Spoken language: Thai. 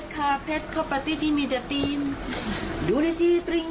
ข้าวปลาตี้ที่มีเดือดตีนดูได้ที่ตริง